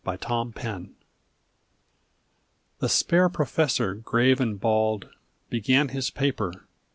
AT A READING The spare Professor, grave and bald, Began his paper.